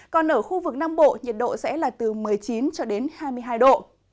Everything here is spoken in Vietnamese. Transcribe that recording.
còn ở khu vực nam bộ nhiệt độ sẽ là từ một mươi chín hai mươi hai độ